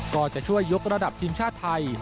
ก็จะช่วยยกระดับทีมชาติไทย